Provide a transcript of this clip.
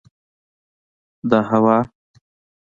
دا هوا